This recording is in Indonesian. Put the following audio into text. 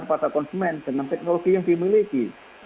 kepada konsumen dengan teknologi yang dimiliki